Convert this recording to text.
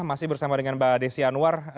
masih bersama dengan mbak desi anwar